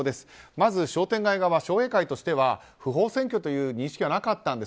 まず商店街側商栄会としては不法占拠という認識はなかったんです。